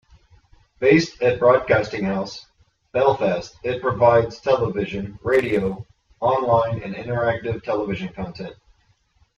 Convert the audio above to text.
Based at Broadcasting House, Belfast, it provides television, radio, online and interactive television content.